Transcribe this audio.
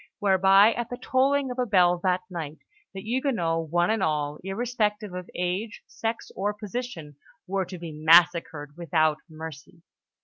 whereby at the tolling of a bell that night, the Huguenots, one and all, irrespective of age, sex, or position, were to be massacred without mercy.